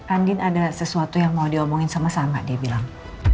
andin ada sesuatu yang mau diomongin sama sama dia bilang